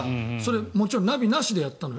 もちろんナビなしでやったんだよ